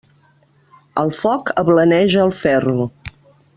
El foc ablaneix el ferro.